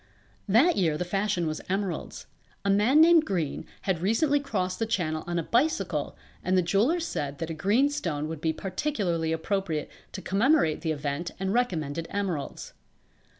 That year the fashion was emeralds. A man named Green had recently crossed the Channel on a bicycle and the jewellers said that a green stone would be particularly appropriate to commemorate the event and recommended emeralds.